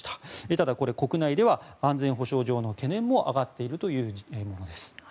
ただ、国内では安全保障上の懸念も上がっているというものです。